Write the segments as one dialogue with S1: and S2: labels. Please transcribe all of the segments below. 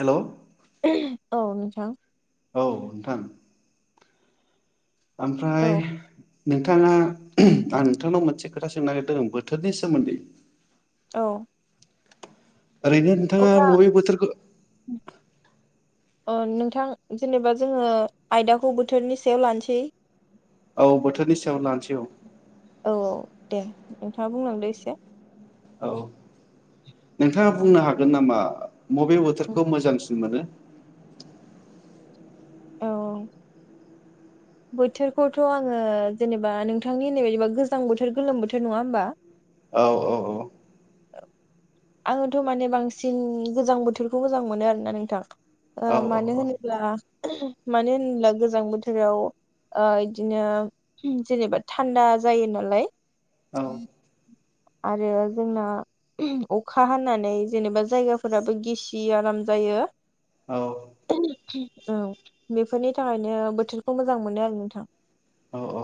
S1: Hello
S2: औ नोंथां
S1: औ नोंथां ओमफ्राय
S2: औ
S1: नोंथाङा आं नोंथांनाव मोनसे खोथा सोंनो नागिरदों बोथोरनि सोमोन्दै
S2: औ
S1: ओरैनो नोंथाङा
S2: अब्ला
S1: बबे बोथोरखौ
S2: अ नोंथां जेनेबा जोङो आयदाखौ बोथोरनि सायाव लानोसै
S1: औ बोथोरनि सायाव लानोसै औ
S2: औ औ दे नोंथाङा बुंलांदो एसे
S1: औ नोंथाङा बुंनो हागोन नामा बबे
S2: उम,
S1: बोथोरखौ मोजांसिन मोनो
S2: औ बोथोरखौथ' आङो जेनेबा नोंथांनि होननाय बायदिबा गोजां बोथोर गोलोम बोथोर नङा होमबा
S1: औ औ औ
S2: आङोथ माने बांसिन गोजां बोथोरखौ मोजां मोनो आरोना नोंथां ओ
S1: औ
S2: मानो होनोब्ला मानो होनब्ला गोजां बोथोराव ओ इदिनो जेनेबा थान्दा जायो नालाय [inaudible]
S1: औ
S2: आरो जोंना अखा हानानै जेनेबा जायगाफोराबो गिसि आराम जायो
S1: औ
S2: औ बेफोरनि थाखायनो बोथोरखौ मोजां मोनो आरो नोंथां
S1: औ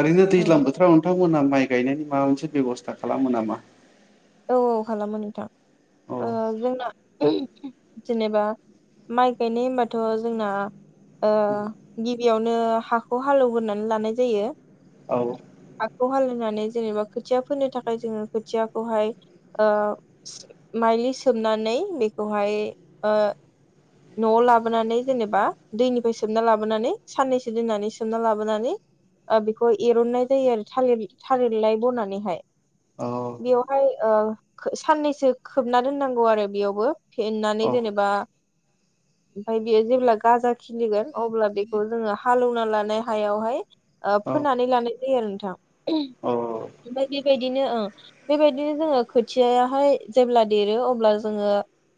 S1: ओरैनो
S2: औ
S1: दैज्लां बोथोराव नोंथां मोना माइ गायनायनि माबा मोनसे बेब'स्था खालामो नामा
S2: औ औ खालामो नोंथां
S1: औ
S2: ओ जोंना जेनेबा माइ गायनाय होनबाथ' जोंना ओ गिबियावनो हाखौ हालेवगोरनानै लानाय जायो
S1: औ
S2: हाखौ हालेवनानै जेनेबा खोथिया फोनो थाखाय जोङो खोथियाखौहाय ओ माइलि सोमनानै बेखौहाय ओ न'आव लाबोनानै जेनेबा दैनिफ्राय सोमना लाबोनानै साननैसो दोननानै सोमना लाबोनानै ओ बेखौ एरननाय जायो आरो थालिर थालिरलाय बनानैहाय
S1: औ
S2: बेवहाय ओ साननैसो खोबना दोननांगौ आरो बेयावबो फेनानै
S1: औ
S2: जेनेबा ओमफफ्राय बेयो जेब्ला गाजा खिलिगोन अब्ला बेखौ जोङो हालौवना लानाय हायावहाय ओ
S1: औ
S2: फोनानै लानाय जायो आरो नोंथां ओमफ्राय बेबायदिनो बेबायदि जुदि जोङो खोथायायाहाय जेब्ला देरो अब्ला जोङो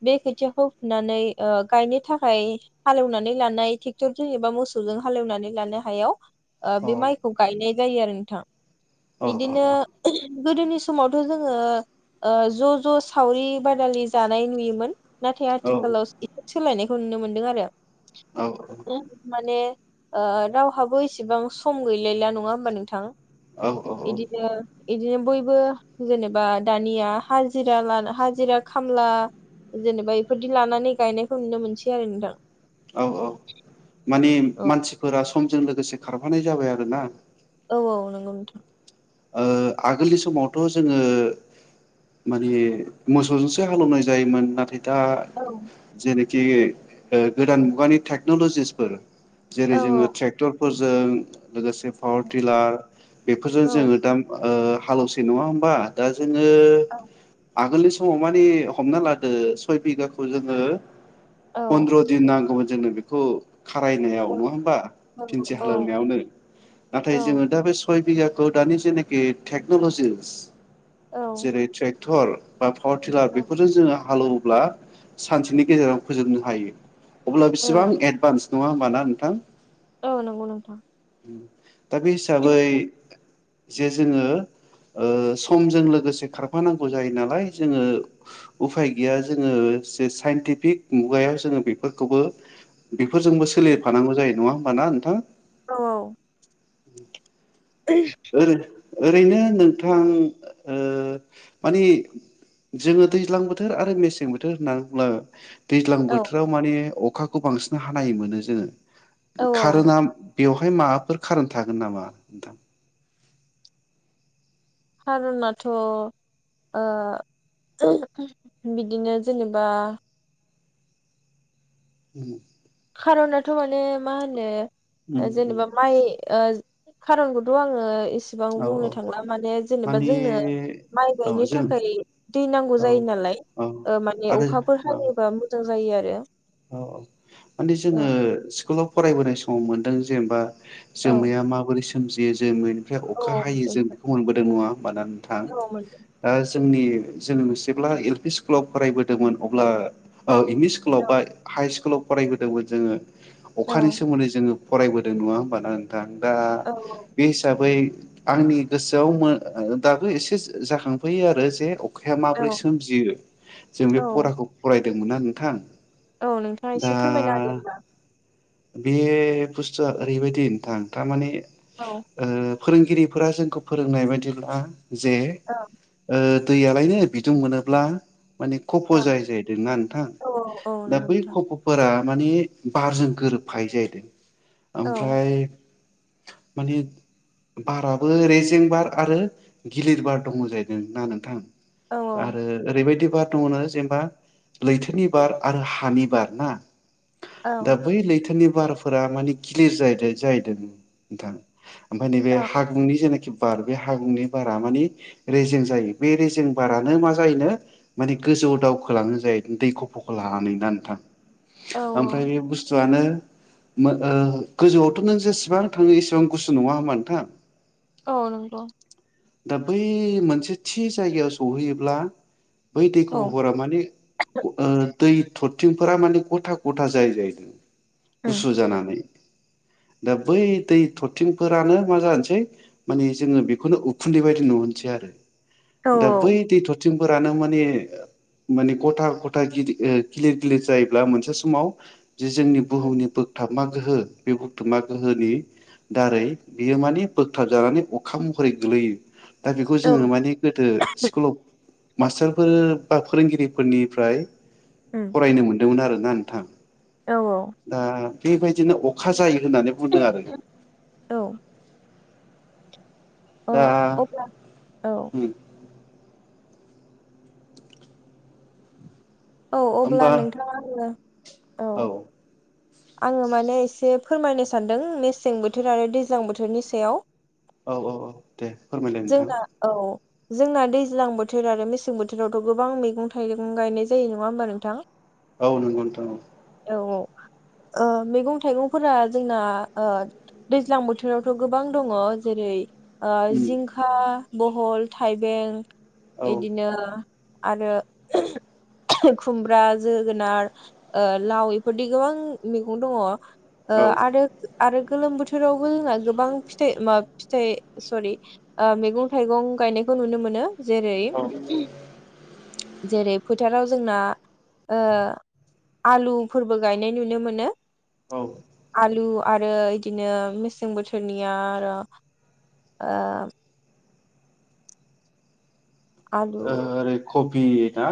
S2: बे खोथियाखौ फुनानै ओ गायनो थाखाय हालौनानै लानाय टेक्टरजों एबा मोसौजों हालौनानै लानाय हायाव ओ बे मायखौ गायनाय जायो आरो नोंथां बिदिनो गोदोनि समावथ' जों ङो ओ ज' ज' सावरि बादालि जानाय नुयोमोन नाथाय
S1: औ
S2: आथिखालाव सोलायनायखौ नुनो मोनदों
S1: औ औ
S2: आरो माने ओ रावहाबो एसेबां सम गैलायला नङा होमबा नोंथां।
S1: औ औ
S2: बिदिनो बिदिनो बयबो जेनेबा दानिया हाजिरा ल हाजिरा खामला जेनेबा बेफोरदि लानानै गायनायखौ नुनो मोनसै आरो नोंथां
S1: औ औ माने
S2: औ
S1: मानसिफोरा समजों लोगोसे खारफानाय जाबाय आरो ना
S2: औ औ नोंगौमोनथ'।
S1: आगोलनि समावथ' जोङो माने मोसौजोंसो हालेौवनाय जायोमोन नाथाय दा
S2: औ
S1: जेरै जि गोदान मुगानि टेक्न'ल'जिसफोर जेरै
S2: औ
S1: जोङो ट्रेक्टर फोरजों लोगोसे पावार टिलार बेफोरजों
S2: औ
S1: जोङो हालौसे नङा हबा दा ज आगोलनि समाव मानिे हमना लादो सय बिगाखौ जोङो अन्द्र' दिन नांग जोङो बेखौ खारायनायाव नङा होमबा
S2: औ
S1: फिनसि हालेवनायावनो नाथाय जोङो दा बे सय [inaudible] दानि नखि टेक्नलजिस
S2: औ
S1: जेरै थर बा पावार टिलार बेफोरजों जोङो हालौव अब्ला सानसेनि गेजेराव फोजोबनो हायो। अब्ला
S2: औ
S1: बेसेबां एडभान्स नङा होमबा ना नोंथां।
S2: औ नंगौ नोंथां।
S1: उम दा बे हिसाबै जे जोङो समजों लोगोसे खारफानांगौ जायो नालाय जोङो उफाय गैया जोङो जे साइनटिफिक मुगायाव जोङो बेफोरखौबो बेफोरजोंबो सोलिफानांगौ जायो नङा मा नोंथां
S2: औ
S1: [unintelligible] ओरैनो नोंथां ओ मानि जोङो दैज्लां बोथोर आरो मेसें बोथोर होनना बुंब्ला दैज्लां
S2: औ
S1: बोथोराव माने अ खाखौ बांसिन हानाय मोनो जोङो।
S2: औ
S1: खारु ना बेवहाय माबाफोर कारोन थागोन नामा नोंथां?
S2: कारनाथ' ओ बिदिनो जेनेबा
S1: उम
S2: खारनाथ' माने मा होनो ओ
S1: उम
S2: जेनेबा माइ ओ खारनखौथ' आङो इसेबां
S1: औ औ
S2: बुंनो थांला माने जेनेबा
S1: माने
S2: जोंनो माइ
S1: औ
S2: गायनो
S1: जों
S2: थाखाय दै नांगौ
S1: औ
S2: जायो नालाय
S1: औ
S2: ओ माने
S1: आरो
S2: अखाफोर
S1: औ
S2: हायोबा मोजां जायो आरो। [unintelligible]
S1: औ औ माने
S2: औ
S1: जोङो स्कुलाव फरायबोनाय समाव मोनदों जेनेबा
S2: औ
S1: जोमैया माबोरै सो सोमजियो जोमै निफ्राय
S2: औ
S1: अखा
S2: औ
S1: हायो जों बेखौ
S2: मोनदों
S1: मोनबोदों नङा होमबा ना नोंथां?
S2: औ मोनदों
S1: ओ जोंनि जों जेब्ला एल पि स्कुलाव फरायबोदोंमोन अब्ला औ एम इ स्कुलाव बा हाइ स्कुलाव फरायबोदोंमोन जोङो।
S2: औ
S1: अखानि सोमोन्दै जोङो फरायबोदों नङा होमबा ना नों थां? दा बे हिसाबै आंनि गोसोआव मो दाबो एसे जाखांफैयो आरो जे अखाया माबोरै
S2: औ
S1: सोमजियो जों बे
S2: औ
S1: फराखौ फराय दोंमोन ना नोंथां?
S2: औ नोंथाङा
S1: दा
S2: एसे फोरमायनो होदो होनबा?
S1: बे बुस्थुआ ओरैबायदि नोंथां थारमाने
S2: औ
S1: ओ फोरोंगिरिफोरा जोंखौ फोरोंनाय बायदिब्ला जे ओ दैयालायनो बिदुं मोनोब्ला माने खफ' जायो जाहैदोंना नोंथां?
S2: औ औ
S1: दा
S2: नंगौ
S1: बै
S2: नोंथां
S1: खफ'फोरा माने बारजों गोरोबफायो जाहैदों
S2: औ
S1: ओमफ्राय माने बाराबो रेजें बार आरो गिलिर बार दङ जाहैदों ना नोंथां
S2: औ
S1: आरो ओरैबायदि ब दङ जेनेबा लैथोनि बार आरो हानिबार ना
S2: औ
S1: दा बै लैथोनि बार फोर मान क्लि ज जाहैदों नोंथां ओमफ्राय नैबे
S2: औ
S1: हागुंनि जेनाखि बार बे हागुंनि बारा मान रेजें जायो बे रेजें बारानो मा जायोनो माने गोजौ दावखोलांनो जायो दैखौ फ ख लानानै दानथां
S2: औ
S1: ओमफ्राय बे बुस्थु गुसुआनो गोजौआवथ' नों जेसेबां थाङो एसेबां गुसु नङा होमबा नोंथां
S2: औ नंगौ
S1: दा बै मोनसे थि जायगायाव सहैयोब्ला बै
S2: औ
S1: दैखौ हरा माने दै थरथिंफोरा माने गथा गथा जायो जाहैदों
S2: उम
S1: गुसु जानानै दा बै दै थरथिंफोरानो मा जानोसै माने जोङो बेखौनो उखुन्दै बायदि नुहोसै आरो
S2: औ
S1: दा बै दैथ बिथिंफोरानो माने माने गथा गथा गिदिर गिलिर गिलिर जायोब्ला मोनसे समाव जे जोंनि
S2: औ
S1: बुहुमनि बोगथाबा गोहो बे बुथुमा गोहोनि दारै बियो माने बोगथाब जानानै अखा महरै गोलैयो दा बेखौ जोङो
S2: औ
S1: माने गोदो स्कुलावफ मास्टारफोर बा फोरोंगिरिफोरनिफ्राय
S2: उम
S1: फरायनो मोनो दोंमोन आरोना नोंथां
S2: औ औ
S1: दा बेबायदिनो अखा जायो होननानै बुंदों आरो
S2: औ औ
S1: दा
S2: अ अब्ला औ औ अब्ला
S1: होमबा
S2: नोंथाङा
S1: औ
S2: आङो माने एसे फोरमायनो सानदों मेसें बोथोर आरो दैज्लां बोथोरनि सायाव।
S1: औ औ औ दे फोरमायलाय नोंथां।
S2: जोंना औ जोंना दैज्लां बोथोर आरो मेसें बोथोरावथ' गोबां मैगं- थाइगं गायनाय जायो नङा होमबा नोंथां?
S1: औ नंगौनोथ' औ।
S2: औ औ। ओं मैगं- थाइगंफोरा जोंना आ दैज्लां बोथोरावथ' गोबां दङ जेरै ओ जिंखा बहल, थाइबें
S1: औ
S2: इदिनो आरो खुमब्रा जोगोनार ओ लाव इफोरदि गोबां मैगं दङ। ओ आरो आरो गोलोम बोथोरावबो जोंना गोबां फिथाइ मा फिथाइ सरि मैगं- थाइगं गायनायखौ नुनो मोनो। जेरै
S1: औ
S2: जेरै फोथाराव जोंना ओ आलुफोरबो गायनाय नुनो मोनो। [unintelligible]
S1: औ
S2: आलु आरो इदिनो मेसें बोथोरनिया आरो आलु
S1: [unintelligible] कपि ना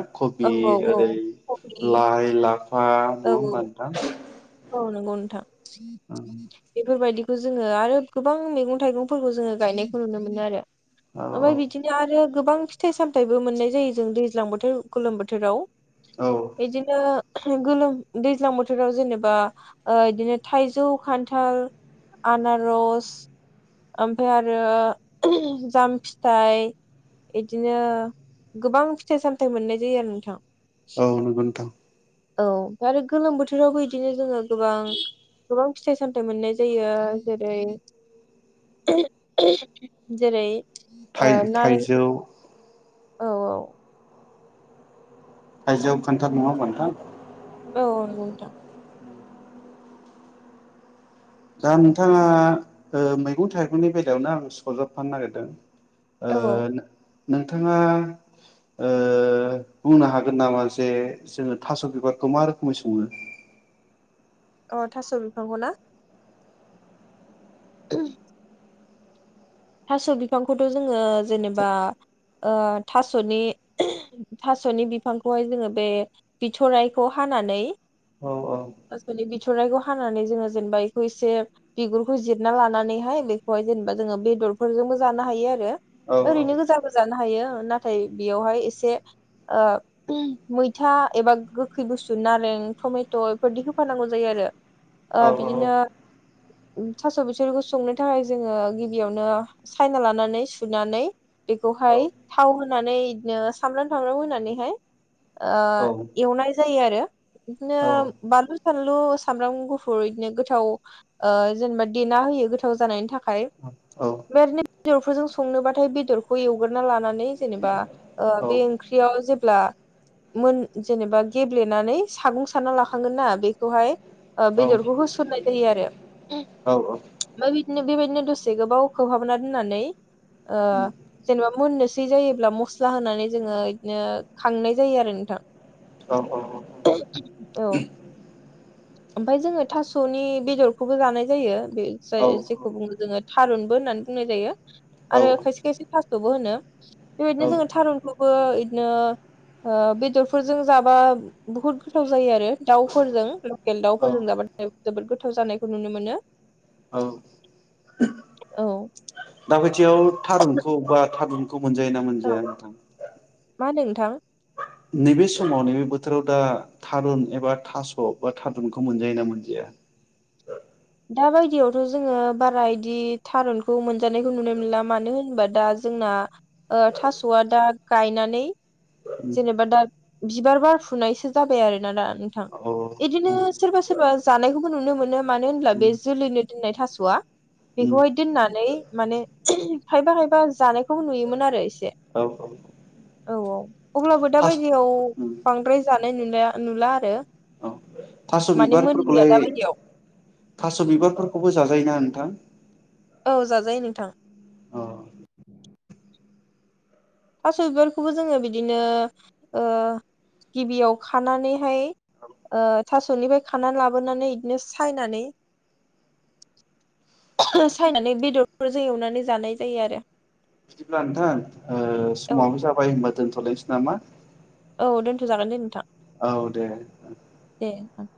S2: औ
S1: कबि
S2: औ औ
S1: ओरै
S2: कबि
S1: लाइ [unintelligible] ह म नङा
S2: औ औ
S1: होनबा नोंथां?
S2: औ नंगौ नोंथां। बेफोरबायदि जोङो आरो गोबां मैगं -थाइगंफोरखौ जोङो गायनायखौ नुनो मोनो आरो।
S1: औ
S2: ओमफाय बिदिनो आरो गोबां फिथाइ- सामथायबो मोननाय जायो जों दैज्लां बोथोर गोलोम बोथोराव।
S1: औ
S2: इदिनो गोलोम दैज्लां बोथोराव जेनेबा [unintelligible] इदिनो थाइजौ, खान्थाल, आनारस ओमफफ्राय आरो जाम फिथाइ इदिनो गोबां फिथाइ -सामथाय मोननाय जायो आरो नोंथां।
S1: औ नोंगौ नोंथां।
S2: औ आरो गोलोम बोथोराव [unintelligible] बिदिनो जोङो गोबां -गोबां फिथाइ -सामथाइ मोननाय जायो जेरै जेरै ओ
S1: थाइ
S2: नारें
S1: -थाइजौ
S2: औ औ।
S1: थाइजौ खानथाल नङा होनबा नोंथां।
S2: औ औ नोंगौ नोंथां।
S1: दा नोंथाङा मैगं थाइगंनि बेलायावनो आं सजाबफानो नागिरदों।
S2: औ
S1: आ। नोंथाङा बुंनो हागोन नामा जे जोङो थास' बिबारखौ मा रोखोमै सङो
S2: अ थास' बिफांखौ ना औ थास' बिफांखौथ' जोङो जेनेबा थास'नि थास'नि बिफांखौहाय जोङो बे बिथ'रनायखौ हानानै
S1: औ औ
S2: थुरनायखौ हानानै जोङो जेनेबा बेखौ एसे बिगुरखौ जिरना लानानैहाय बेखौहाय जेनेबा जोङो बेदर फोरजोंबो जानो हायो आरो
S1: औ
S2: ओरैनो गोजाबो जानो हायो नाथाय बेयावहाय एसे मैथा एबा गोखै बुस्थु नारें टमेट' बेफोरदि होफानांगौ जायो आरो
S1: औ
S2: बिदिनो
S1: औ
S2: थास' बिथोरखौ संनो थाखाय जोङो गिबियावनो सायना लानानै सुनानै बेखौहाय थाव होनानै बिदिनो सामब्राम थामब्राम होनानैहाय आ
S1: औ
S2: ए जायो आरो बिदिनो
S1: औ
S2: बानलु सानलु सामब्रामु गुफुर बिदिनो गोथाव जेनेबा देना होयो गोथाव जानायनि थाखाय बेदिनो बेदरफोरजों संनोबाथाय बेदरखौ एवगोरोनना लानानै जेनेबा
S1: औ
S2: बे ओंख्रियाव जेब्ला मोन जेनेबा गेब्लेनानै सागं सारना लाखांगोन ना बेखौहाय बेदरखौ होसननाय जायो आरो
S1: औ औ
S2: ओमफ्राय बेबायदिनो दसे गोबाव खोबहाबना दोननानै जेनेबा मोननोसै जायोब्ला मस्ला होनानै जोङो बिदिनो खांनाय जायो आरो नोंथां
S1: अ अ
S2: द' ओमफफ्राय जोङो थास'नि बेदरखौबो जानाय जायो बे जेखौ बुङो जोङो थारुनबो होननानै बुंनाय जायो आरो
S1: औ
S2: खायसे खायसे थास'बो होनो बेबायदिनो
S1: औ
S2: जोङो थारुनखौबो बिदिनो बेदरफोरजों जाबा बहुद गोथाव जायो आरो दाउफोरजों ेल
S1: औ
S2: दाावफोरजों जाबाथाय जोबोद गोथाव जानायखौ नुनो मोनो
S1: औ
S2: औ
S1: दाबायथियाव थारुनखौ बा थारुन खौ मोनजायोना
S2: औ
S1: मोनजाया नोंथां
S2: मा नोंथां
S1: नैबे समाव नैबे बोथोराव दा थारुन एबा थास' बा थारुनखौ मोनजायोना मोनजाया
S2: दा बायदियावथ' जोङो बारा बिदि थारुनखौ मोनजानायखौ नुनो मोनला मानो होनबा दा जोंना थास'आ दा गायनानै जेनेबा दा बिबार बारफुनायसो जाबाय आरोोना दा नोंथां
S1: औ
S2: बिदिनो सोरबा सोरबा जानायखौबो नुनो मोनो मानो होनब्ला बे जोलैनो दोननाय थास'आ बेखौहाय दोननानै माने खायबा खायबा जानायखौबो नुयोमोन आरो एसे
S1: औ
S2: औ औ अब्लाबो दााबायदियाव
S1: थास'
S2: बांद्राय जानाय नुनाय नुला आरो
S1: औ थास'
S2: माने मोनलिया
S1: बिबारफोरखौलाय
S2: दाबायदियाव
S1: थास' बिबारफोरखौबो जाजायोना नोंथां
S2: औ जाजायो नोंथां।
S1: अ
S2: थास' बिबारखौबो जोङो बिदिनो ओ गिबियाव खानानैहाय ओ थास'निफ्राय खानानै लाबोनानै बिदिनो सायनानै सायनानै बेदरफोरजों एवनानै जानाय जायो आरो।
S1: बिदिब्ला नोंथां ओ
S2: औ
S1: समाबो जाबाय होनबा दोनथ'लायनोसै नामा?
S2: औ दोन्थ' जागोन दे नोंथां
S1: औ दे
S2: दे ओं